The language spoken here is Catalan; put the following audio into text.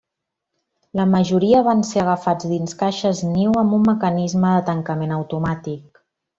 La majoria van ser agafats dins caixes niu amb un mecanisme de tancament automàtic.